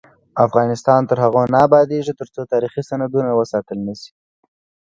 افغانستان تر هغو نه ابادیږي، ترڅو تاریخي سندونه وساتل نشي.